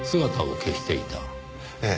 ええ。